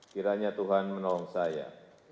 kiranya tuhan menolong saya